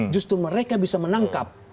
justru mereka bisa menangkap